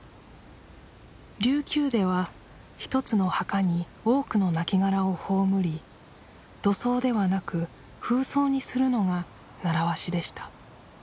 琉球では一つの墓に多くの亡きがらを葬り土葬ではなく風葬にするのが習わしでした